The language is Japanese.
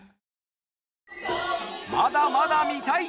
まだまだ見たい。